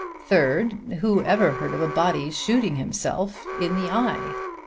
Third, who ever heard of anybody shooting himself in the eye?